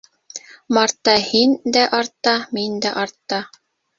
Мартта һин дә артта, мин дә артта.